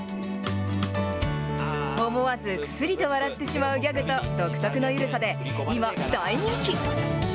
思わずくすりと笑ってしまうギャグと独特の緩さで、今、大人気。